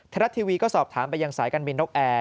รัฐทีวีก็สอบถามไปยังสายการบินนกแอร์